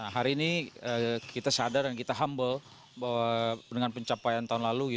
hari ini kita sadar dan kita humble bahwa dengan pencapaian tahun lalu